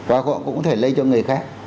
và họ cũng có thể lây cho người khác